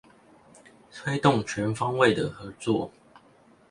推動全方位的合作